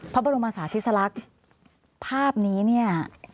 พระบรมศาสตร์ทฤษลักษณ์ภาพนี้